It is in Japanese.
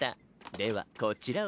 ではこちらを。